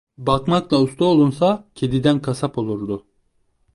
Bakmakla usta olunsa kediden kasap olurdu.